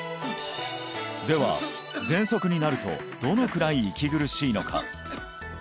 では喘息になるとどのくらい息苦しいのか？